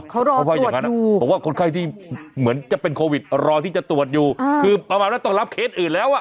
เขารอเขาว่าอย่างนั้นผมว่าคนไข้ที่เหมือนจะเป็นโควิดรอที่จะตรวจอยู่คือประมาณว่าต้องรับเคสอื่นแล้วอ่ะ